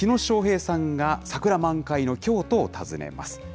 火野正平さんが桜満開の京都を訪ねます。